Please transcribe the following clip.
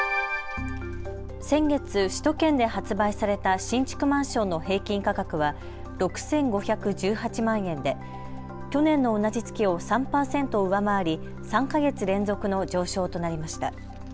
先月、首都圏で発売された新築マンションの平均価格は６５１８万円で去年の同じ月を３％上回り３か月連続の上昇となりました。